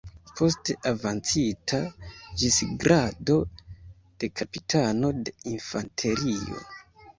Poste avancita ĝis grado de kapitano de infanterio.